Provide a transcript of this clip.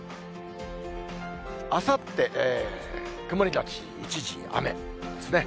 あさって、曇り後一時雨ですね。